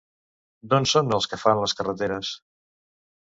D'on són els que fan les carreteres?